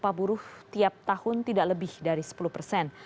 jumlah buruh tiap tahun tidak lebih dari sepuluh persen